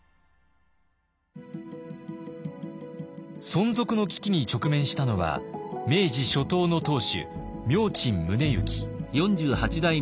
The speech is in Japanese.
存続の危機に直面したのは明治初頭の当主明珍宗之。